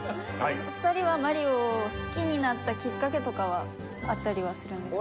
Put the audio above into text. お二人は『マリオ』を好きになったきっかけとかはあったりはするんですか？